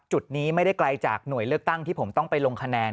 จุดนี้ไม่ได้ไกลจากหน่วยเลือกตั้งที่ผมต้องไปลงคะแนน